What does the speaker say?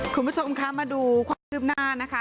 คุณผู้ชมคะมาดูความคืบหน้านะคะ